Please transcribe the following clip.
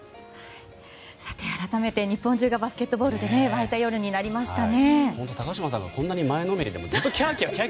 改めて日本中がバスケットボールに沸いた夜になりましたね。